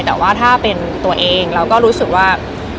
แต่ว่าถ้าเป็นตัวเองเราก็รู้สึกว่า